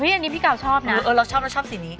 อันนี้พี่กาวชอบนะเราชอบเราชอบสีนี้